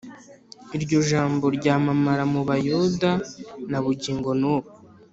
Iryo jambo ryamamara mu Bayuda na bugingo n’ubu.